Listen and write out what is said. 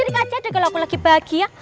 jadi kacet deh kalo aku lagi bahagia